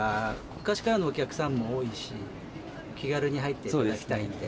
昔からのお客さんも多いし気軽に入って頂きたいんで。